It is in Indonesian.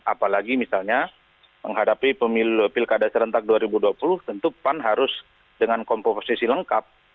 apalagi misalnya menghadapi pemilu pilkada serentak dua ribu dua puluh tentu pan harus dengan komposisi lengkap